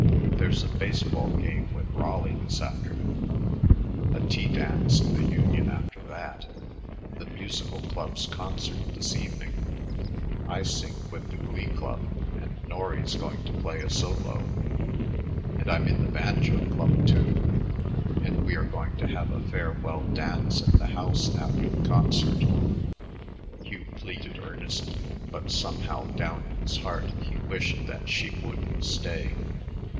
There's a baseball game with Raleigh this afternoon, a tea dance in the Union after that, the Musical Clubs concert this evening I sing with the Glee club and Norry's going to play a solo, and I'm in the Banjo Club, too and we are going to have a farewell dance at the house after the concert." Hugh pleaded earnestly; but somehow down in his heart he wished that she wouldn't stay.